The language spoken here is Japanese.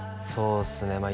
そうっすね